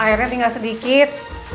airnya tinggal sedikit